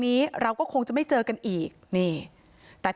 พี่สาวบอกว่าไม่ได้ไปกดยกเลิกรับสิทธิ์นี้ทำไม